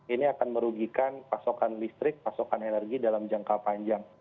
ini akan merugikan pasokan listrik pasokan energi dalam jangka panjang